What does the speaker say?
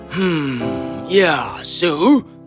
hmm ya sue